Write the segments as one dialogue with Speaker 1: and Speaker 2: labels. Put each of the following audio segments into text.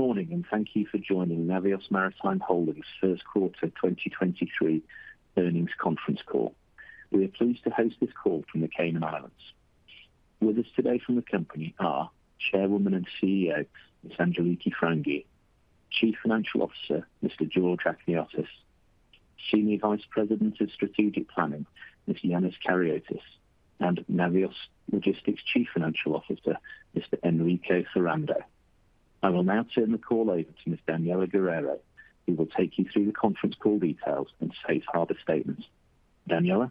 Speaker 1: Good morning, and thank you for joining Navios Maritime Holdings first quarter 2023 Earnings Conference Call. We are pleased to host this call from the Cayman Islands. With us today from the company are Chairwoman and CEO, Ms. Angeliki Frangou, Chief Financial Officer, Mr. George Achniotis, Senior Vice President of Strategic Planning, Mr. Ioannis Karyotis, and Navios Logistics Chief Financial Officer, Mr. Enrique Ferrando. I will now turn the call over to Ms. Daniela Guerrero, who will take you through the conference call details and safe harbor statements. Daniela.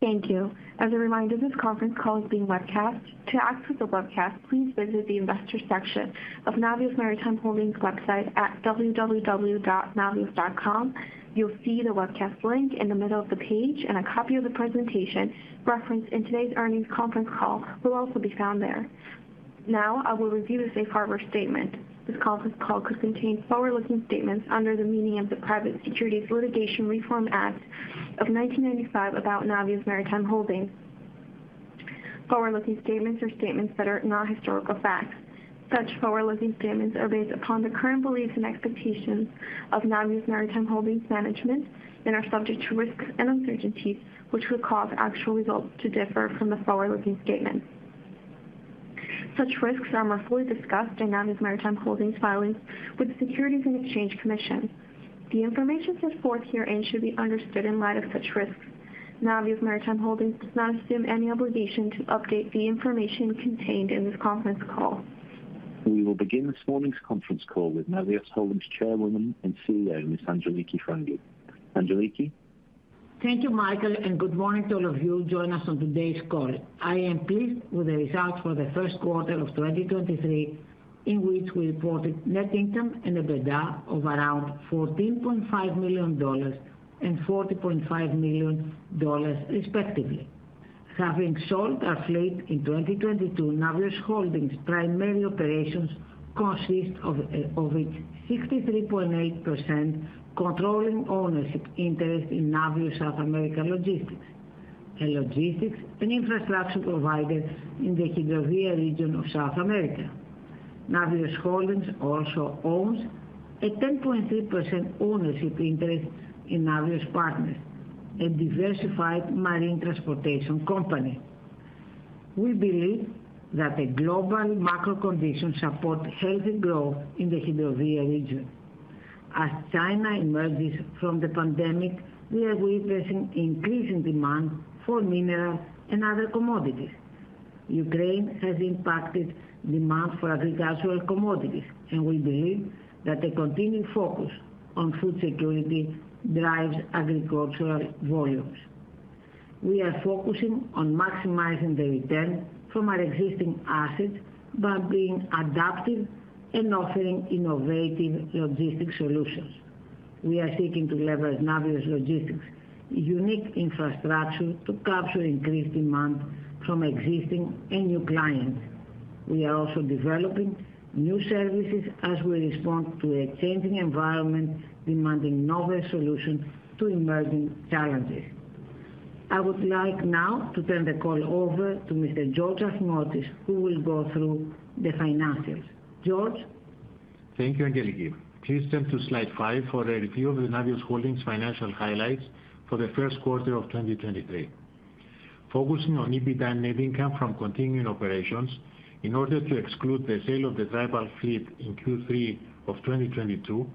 Speaker 2: Thank you. As a reminder, this conference call is being webcast. To access the webcast, please visit the investor section of Navios Maritime Holdings website at www.navios.com. A copy of the presentation referenced in today's earnings conference call will also be found there. Now I will review the safe harbor statement. This conference call could contain forward-looking statements under the meaning of the Private Securities Litigation Reform Act of 1995 about Navios Maritime Holdings. Forward-looking statements are statements that are not historical facts. Such forward-looking statements are based upon the current beliefs and expectations of Navios Maritime Holdings management and are subject to risks and uncertainties which could cause actual results to differ from the forward-looking statement. Such risks are more fully discussed in Navios Maritime Holdings filings with the Securities and Exchange Commission. The information set forth herein should be understood in light of such risks. Navios Maritime Holdings does not assume any obligation to update the information contained in this conference call.
Speaker 1: We will begin this morning's conference call with Navios Holdings Chairwoman and CEO, Ms. Angeliki Frangou. Angeliki.
Speaker 3: Thank you, Michael, and good morning to all of you joining us on today's call. I am pleased with the results for the first quarter of 2023, in which we reported net income and EBITDA of around $14.5 million and $40.5 million respectively. Having sold our fleet in 2022, Navios Holdings primary operations consist of its 63.8% controlling ownership interest in Navios South American Logistics, a logistics and infrastructure provider in the Hidrovia region of South America. Navios Holdings also owns a 10.3% ownership interest in Navios Partners, a diversified marine transportation company. We believe that the global macro conditions support healthy growth in the Hidrovia region. As China emerges from the pandemic, we are witnessing increasing demand for mineral and other commodities. Ukraine has impacted demand for agricultural commodities, and we believe that the continued focus on food security drives agricultural volumes. We are focusing on maximizing the return from our existing assets by being adaptive and offering innovative logistics solutions. We are seeking to leverage Navios Logistics unique infrastructure to capture increased demand from existing and new clients. We are also developing new services as we respond to a changing environment demanding novel solutions to emerging challenges. I would like now to turn the call over to Mr. George Achniotis, who will go through the financials. George.
Speaker 4: Thank you, Angeliki. Please turn to slide five for a review of the Navios Holdings financial highlights for the first quarter of 2023. Focusing on EBITDA net income from continuing operations in order to exclude the sale of the dry bulk fleet in Q3 of 2022,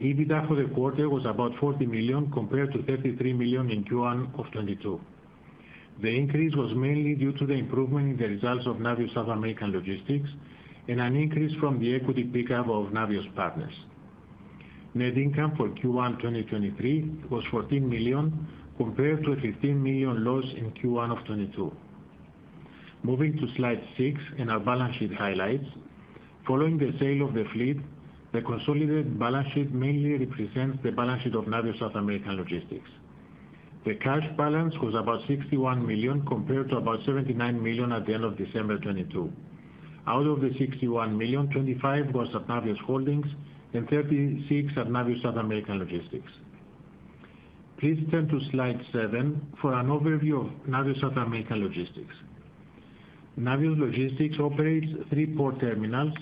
Speaker 4: EBITDA for the quarter was about $40 million compared to $33 million in Q1 of 2022. The increase was mainly due to the improvement in the results of Navios South American Logistics and an increase from the equity pickup of Navios Partners. Net income for Q1 2023 was $14 million compared to a $13 million loss in Q1 of 2022. Moving to slide six and our balance sheet highlights. Following the sale of the fleet, the consolidated balance sheet mainly represents the balance sheet of Navios South American Logistics. The cash balance was about $61 million compared to about $79 million at the end of December 2022. Out of the $61 million, $25 million was of Navios Holdings and $36 million of Navios South American Logistics. Please turn to slide seven for an overview of Navios South American Logistics. Navios Logistics operates three port terminals,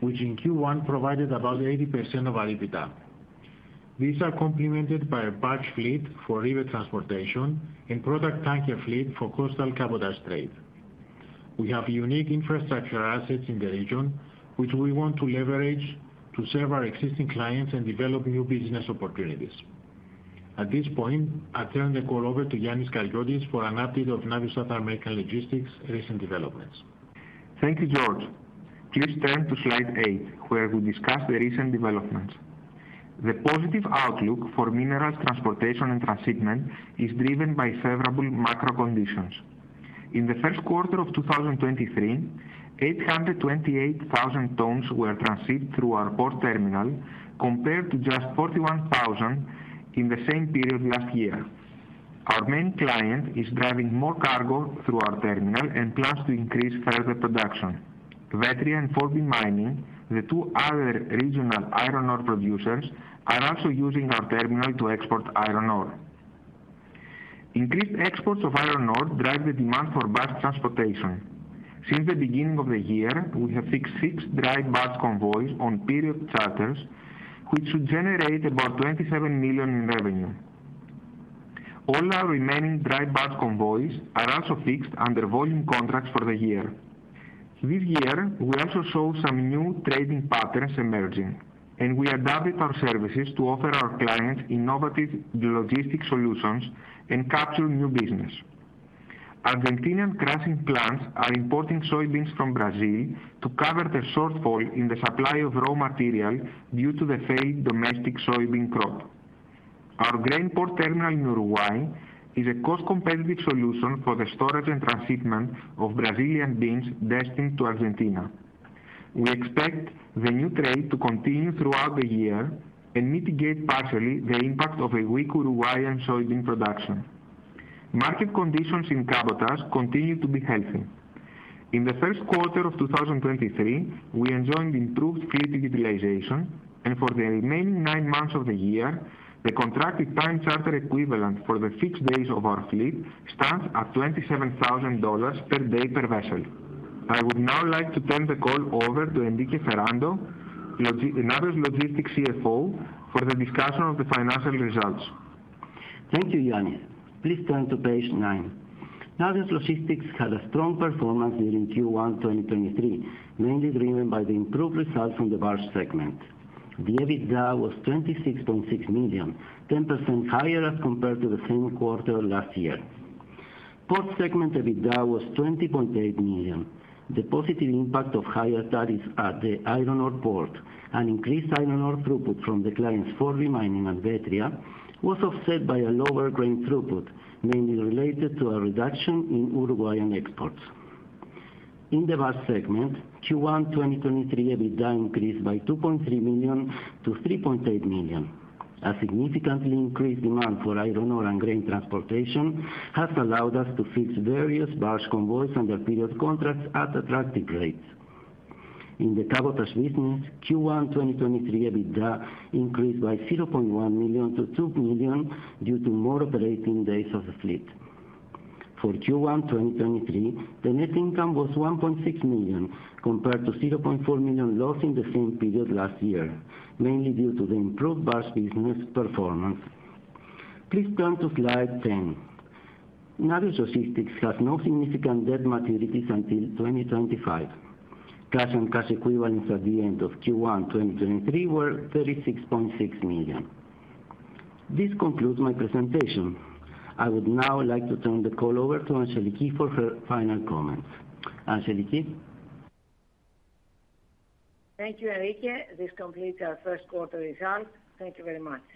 Speaker 4: which in Q1 provided about 80% of our EBITDA. These are complemented by a barge fleet for river transportation and product tanker fleet for coastal cabotage trade. We have unique infrastructure assets in the region, which we want to leverage to serve our existing clients and develop new business opportunities. At this point, I turn the call over to Ioannis Karyotis for an update of Navios South American Logistics recent developments.
Speaker 5: Thank you, George. Please turn to slide eight, where we discuss the recent developments. The positive outlook for minerals transportation and transshipment is driven by favorable macro conditions. In the first quarter of 2023, 828,000 tons were transshipped through our port terminal compared to just 41,000 in the same period last year. Our main client is driving more cargo through our terminal and plans to increase further production. Vetria and Fortescue Mining, the two other regional iron ore producers, are also using our terminal to export iron ore. Increased exports of iron ore drive the demand for barge transportation. Since the beginning of the year, we have fixed six dry barge convoys on period charters, which should generate about $27 million in revenue. All our remaining dry barge convoys are also fixed under volume contracts for the year. This year, we also saw some new trading patterns emerging, and we adapted our services to offer our clients innovative logistic solutions and capture new business. Argentinian crushing plants are importing soybeans from Brazil to cover the shortfall in the supply of raw material due to the failed domestic soybean crop. Our grain port terminal in Uruguay is a cost-competitive solution for the storage and transshipment of Brazilian beans destined to Argentina. We expect the new trade to continue throughout the year and mitigate partially the impact of a weak Uruguayan soybean production. Market conditions in cabotage continue to be healthy. In the 1st quarter of 2023, we enjoyed improved fleet utilization, and for the remaining nine months of the year, the contracted time charter equivalent for the fixed days of our fleet stands at $27,000 per day per vessel. I would now like to turn the call over to Enrique Ferrando, Navios Logistics CFO, for the discussion of the financial results.
Speaker 6: Thank you, Ioannis. Please turn to page nine. Navios Logistics had a strong performance during Q1 2023, mainly driven by the improved results from the barge segment. The EBITDA was $26.6 million, 10% higher as compared to the same quarter last year. Port segment EBITDA was $20.8 million. The positive impact of higher tariffs at the iron ore port and increased iron ore throughput from the clients Fortescue Mining and Vetria was offset by a lower grain throughput, mainly related to a reduction in Uruguayan exports. In the barge segment, Q1 2023, EBITDA increased by $2.3 million-$3.8 million. A significantly increased demand for iron ore and grain transportation has allowed us to fix various barge convoys under period contracts at attractive rates. In the cabotage business, Q1 2023, EBITDA increased by $0.1 million-$2 million due to more operating days of the fleet. For Q1 2023, the net income was $1.6 million compared to $0.4 million loss in the same period last year, mainly due to the improved barge business performance. Please turn to slide 10. Navios Logistics has no significant debt maturities until 2025. Cash and cash equivalents at the end of Q1 2023 were $36.6 million. This concludes my presentation. I would now like to turn the call over to Angeliki for her final comments. Angeliki?
Speaker 3: Thank you, Enrique. This completes our first quarter results. Thank you very much.